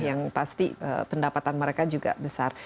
yang pasti pendapatan mereka juga besar